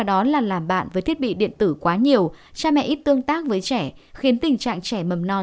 do làm bạn với thiết bị điện tử cha mẹ ít tương tác với trẻ